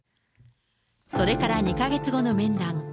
それから２か月後の面談。